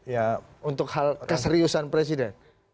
ya untuk hal keseriusan presiden